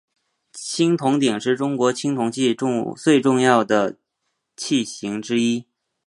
青铜鼎是中国青铜器最重要的器形之一。